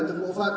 từng bộ phận